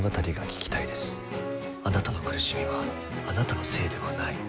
あなたの苦しみはあなたのせいではない。